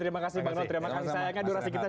terima kasih mbak nol